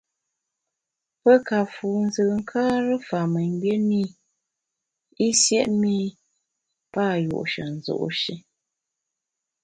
Pe ka fu nzùnkare fa mengbié ne i, i siét mi pa yu’she nzu’ shi.